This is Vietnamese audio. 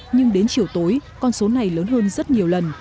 nhưng đến chiều tối con số này lớn hơn rất nhiều lần